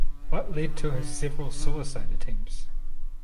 What led to his several suicide attempts?